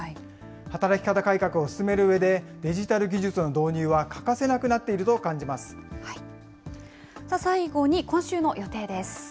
働き方改革を進めるうえで、デジタル技術の導入は欠かせなくなっ最後に今週の予定です。